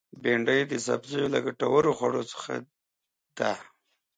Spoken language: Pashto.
بېنډۍ د سبزیو له ګټورو خوړو څخه ده